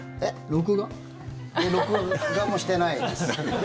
録画もしてないです。